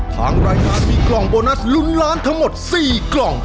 ทางรายการมีกล่องโบนัสลุ้นล้านทั้งหมด๔กล่อง